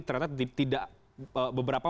ternyata tidak beberapa